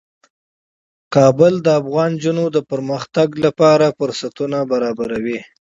کابل د افغان نجونو د پرمختګ لپاره فرصتونه برابروي.